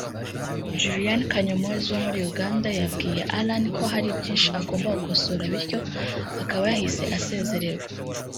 Juliana Kanyomozi wo muri Uganda yabwiye Allan ko hari byinshi agomba gukosora bityo akaba yahise asezererwa